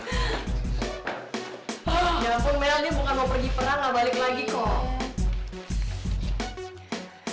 ya ampun mel ini bukan mau pergi perang gak balik lagi kok